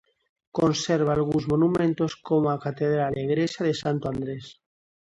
Conserva algúns monumentos, como a catedral e a igrexa de Santo Andrés.